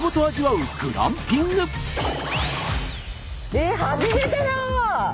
えっ初めてだ！